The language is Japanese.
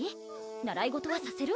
習い事はさせる？